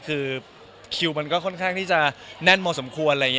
คือคิวมันก็ค่อนข้างที่จะแน่นมากสมควร